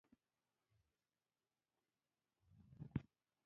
دا اوس دې نه رانړېږي.